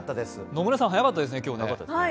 野村さん、早かったですね、今日は。